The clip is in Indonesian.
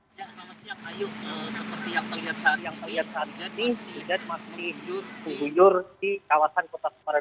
selamat siang ayu seperti yang terlihat saat ini hujan masih mengguyur di kawasan kota semarang